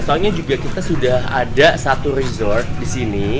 soalnya juga kita sudah ada satu resort disini